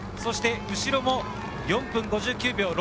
後ろも４分５９秒。